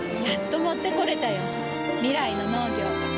やっと持ってこれたよ。未来の農業。